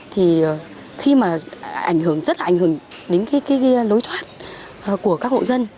thì khi mà ảnh hưởng rất là ảnh hưởng đến cái lối thoát của các hộ dân